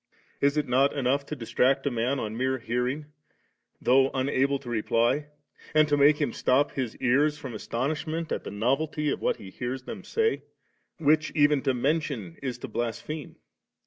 is it not enough to dis tract a man on mere hearing, though unable to reply, and to make him stop his ears, from astonishment at the novelty of what he hears them say, which even to mention is to blas pheme?